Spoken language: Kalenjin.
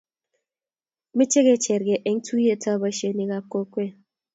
meche ke cheergei eng' tuyietab boisiekab kokwet.